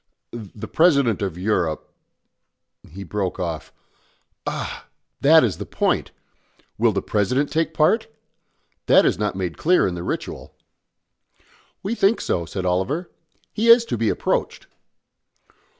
"The President of Europe " He broke off. "Ah! that is the point. Will the President take part? That is not made clear in the ritual." "We think so," said Oliver. "He is to be approached."